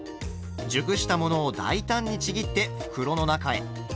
熟したものを大胆にちぎって袋の中へ。